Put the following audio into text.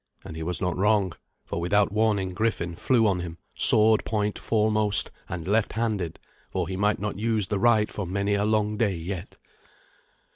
And he was not wrong, for without warning Griffin flew on him, sword point foremost, and left handed, for he might not use the right for many a long day yet.